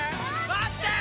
待ってー！